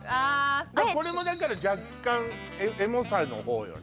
これもだから若干エモさの方よね